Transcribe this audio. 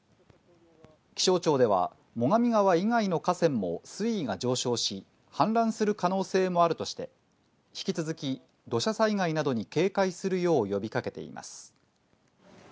気象庁では最上川以外の河川も水位が上昇し、氾濫する可能性もあるとして、引き続き土砂災害などに警戒するよう呼びかけています。